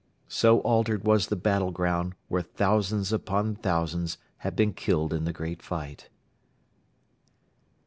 So altered was the battle ground, where thousands upon thousands had been killed in the great fight.